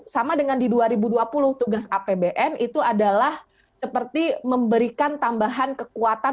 sama dengan di dua ribu dua puluh tugas apbn itu adalah seperti memberikan tambahan kekuatan